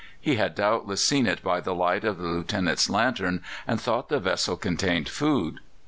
He had doubtless seen it by the light of the Lieutenant's lantern, and thought the vessel contained food.